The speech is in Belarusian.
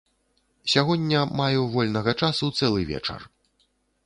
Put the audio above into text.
Сягоння маю вольнага часу цэлы вечар.